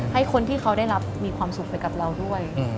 ให้คนที่เขาได้รับมีความสุขไปกับเราด้วย